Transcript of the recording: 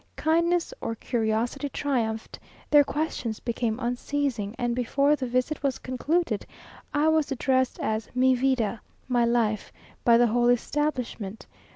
Kindness or curiosity triumphed; their questions became unceasing; and before the visit was concluded, I was addressed as "mi vida" (my life), by the whole establishment.